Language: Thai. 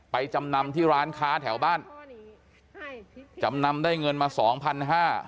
จำนำที่ร้านค้าแถวบ้านจำนำได้เงินมาสองพันห้า